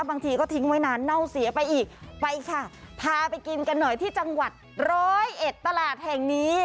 บางทีก็ทิ้งไว้นานเน่าเสียไปอีกไปค่ะพาไปกินกันหน่อยที่จังหวัดร้อยเอ็ดตลาดแห่งนี้